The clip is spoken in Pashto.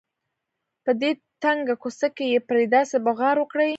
په دې تنګه کوڅه کې یې پرې داسې بغارې وکړې.